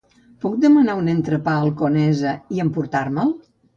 Puc demanar un entrepà al Conesa i emportar-me'l?